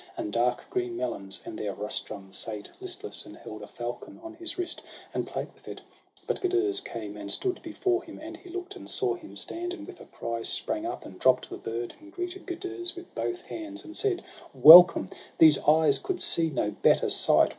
And dark green melons ; and there Rustum sate Listless, and held a falcon on his wrist, And play'd with it; but Gudurz came and stood 92 SOHRAB AND RVSTUM. Before him; and he look'd, and saw him stand; And with a cry sprang up, and dropp'd the bird, And greeted Gudurz with both hands, and said :— 'Welcome! these eyes could see no better sight.